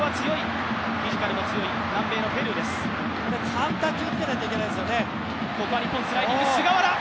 カウンター気をつけないといけないですよね。